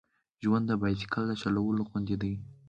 ژوند د بایسکل د چلولو غوندې دی.